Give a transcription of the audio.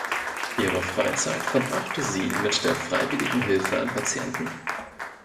Ihre Freizeit verbrachte sie mit der freiwilligen Hilfe an Patienten.